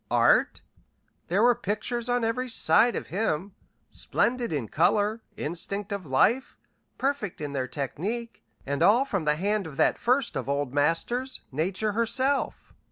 Art? There were pictures on every side of him, splendid in color, instinct of life, perfect in their technique, and all from the hand of that first of Old Masters, Nature herself.